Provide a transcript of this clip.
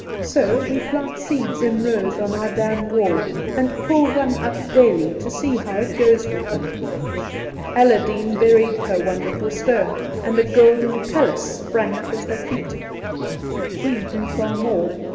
So we plant seeds in rows on our dam wall, and pull one up daily to see how it goes with them. Alladeen buried her wonderful stone, and a golden palace sprung up at her feet. We do far more.